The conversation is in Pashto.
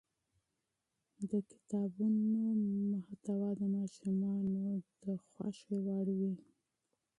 د کتابونو محتوا د ماشومانو د ذوق مطابق وي.